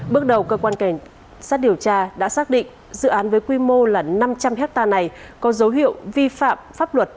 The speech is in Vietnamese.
bước đầu cơ quan cảnh sát điều tra đã xác định dự án với quy mô là năm trăm linh hectare này có dấu hiệu vi phạm pháp luật